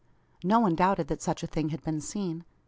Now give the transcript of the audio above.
No one doubted that such a thing had been seen.